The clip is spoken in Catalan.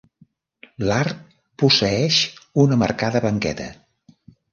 L'arc posseeix una marcada banqueta.